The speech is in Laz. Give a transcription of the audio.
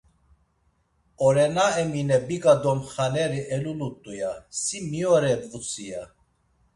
Orena Emine biga domxaneri elulut̆u, ya, si mi ore, vutzvi, ya.